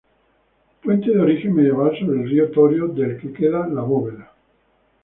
Puente de origen medieval sobre el río Torio del que queda la bóveda.